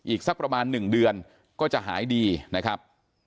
อีกสักประมาณ๑เดือนก็จะหายดีนะครับ